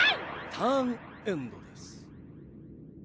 ターンエンドです。